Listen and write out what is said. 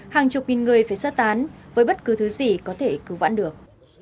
hàng chục nghìn người phải sơ tán với bất cứ thứ gì có thể cứu vãn được